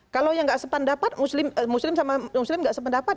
kalau yang gak sempat dapat muslim sama muslim gak sempat dapat